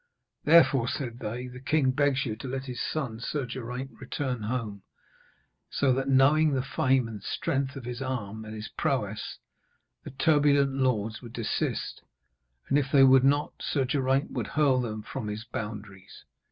Therefore,' said they, 'the king begs you to let his son Sir Geraint return home, so that, knowing the fame of the strength of his arm and his prowess, the turbulent lords would desist, and if they would not, Sir Geraint would hurl them from his boundaries.'